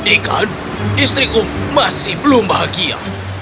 ikan istriku masih belum bahagia